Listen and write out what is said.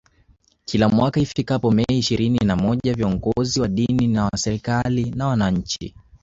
Kila mwaka ifikapo Mei ishirinina moja viongozi wa dini wa serikali na wananchi